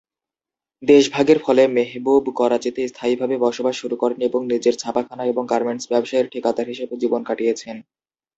দেশভাগের ফলে মেহবুব করাচিতে স্থায়ীভাবে বসবাস শুরু করেন এবং নিজের ছাপাখানা এবং গার্মেন্টস ব্যবসায়ের ঠিকাদার হিসেবে জীবন কাটিয়েছেন।